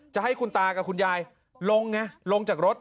จะให้คุณตากับคุณยายลงไงลงจากรถ